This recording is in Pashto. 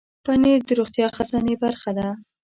پنېر د روغتیا خزانې برخه ده.